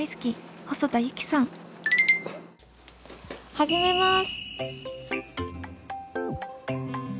始めます！